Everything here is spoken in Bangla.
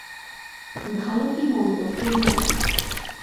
ভালো কি মন্দ কে জানে।